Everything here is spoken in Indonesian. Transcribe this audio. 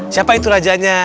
siapa itu rajanya